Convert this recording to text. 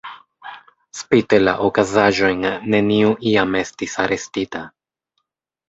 Spite la okazaĵojn, neniu iam estis arestita.